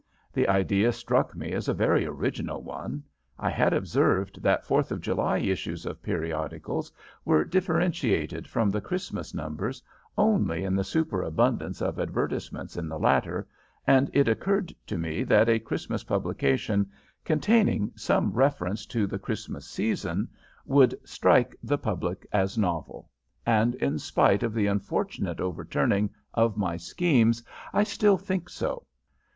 The idea struck me as a very original one. I had observed that Fourth of July issues of periodicals were differentiated from the Christmas numbers only in the superabundance of advertisements in the latter, and it occurred to me that a Christmas publication containing some reference to the Christmas season would strike the public as novel and, in spite of the unfortunate overturning of my schemes, I still think so.